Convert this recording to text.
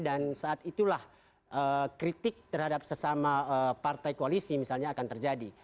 dan saat itulah kritik terhadap sesama partai koalisi misalnya akan terjadi